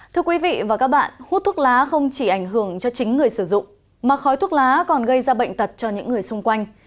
thưa quý vị và các bạn hút thuốc lá không chỉ ảnh hưởng cho chính người sử dụng mà khói thuốc lá còn gây ra bệnh tật cho những người xung quanh